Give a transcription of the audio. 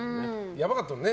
やばかったもんね。